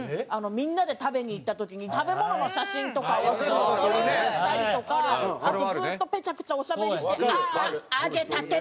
みんなで食べに行った時に食べ物の写真とかを撮ったりとかあとずっとペチャクチャおしゃべりして「ああー揚げたての唐揚げを！」